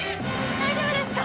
大丈夫ですか？